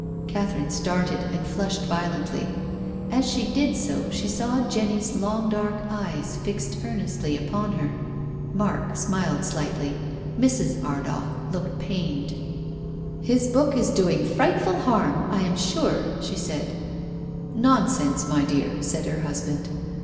Catherine started and flushed violently. As she did so she saw Jenny's long dark eyes fixed earnestly upon her. ]\Iark smiled slightly. Mrs. Ardagh looked pained. " His book is doing frightful harm, I am sure," she said. " Nonsense, my dear," said her husband.